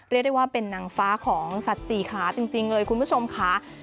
เรียกได้ว่าเป็นนางฟ้าของสัตว์สี่ขาจริงเลยคุณผู้ชมค่ะ